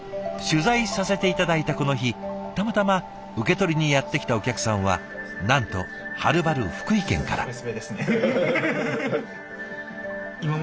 取材させて頂いたこの日たまたま受け取りにやって来たお客さんはなんとはるばる福井県から。